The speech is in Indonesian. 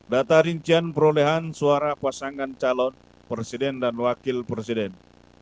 data rincian perolehan suara pasangan calon presiden dan wakil presiden